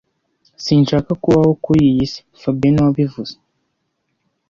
Sinshaka kubaho kuri iyi si fabien niwe wabivuze